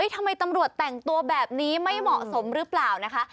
ทำไมตำรวจแต่งตัวแบบนี้ไม่เหมาะสมหรือเปล่านะคะ